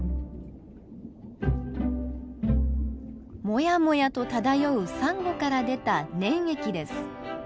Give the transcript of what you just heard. モヤモヤと漂うサンゴから出た粘液です。